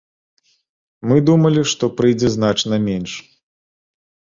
Мы думалі, што прыйдзе значна менш.